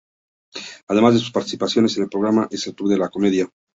Además de sus participaciones en el programa "El club de la comedia".